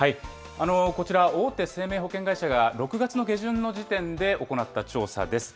こちら、大手生命保険会社が６月の下旬の時点で行った調査です。